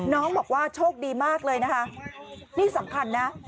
น้องบอกว่าโชคดีมากเลยนะคะนี่สำคัญนะ